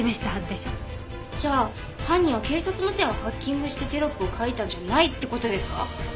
じゃあ犯人は警察無線をハッキングしてテロップを書いたんじゃないって事ですか？